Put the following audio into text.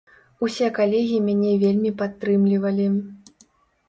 Усе калегі мяне вельмі падтрымлівалі.